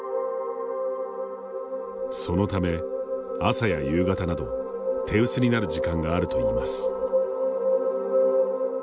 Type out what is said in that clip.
そのため、朝や夕方など手薄になる時間があるといいます。